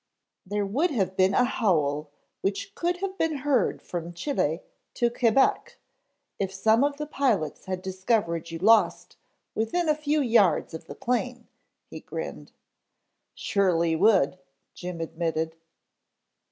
"There would have been a howl which could have been heard from Chili to Quebec if some of the pilots had discovered you lost within a few yards of the plane," he grinned. "Surely would," Jim admitted.